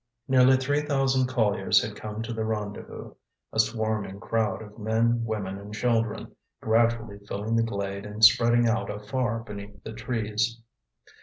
Nearly three thousand colliers had come to the rendezvous, a swarming crowd of men, women, and children, gradually filling the glade and spreading out afar beneath the trees.